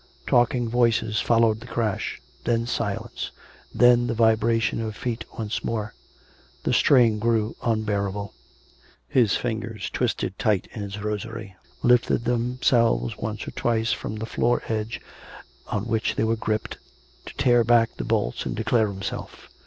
Talking voices followed the crash; then silence; then the vibration of feet once more. The strain grew unbearable; his fingers twisted tight in his rosary, lifted themselves once or twice from the floor edge on which they were gripped, to tear back the bolts and declare himself.